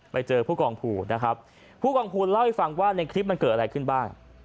ไปเจอผู้กองภูนะครับผู้กองภูเล่าให้ฟังว่าในคลิปมันเกิดอะไรขึ้นบ้าง